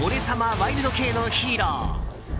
ワイルド系のヒーロー。